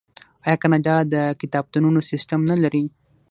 آیا کاناډا د کتابتونونو سیستم نلري؟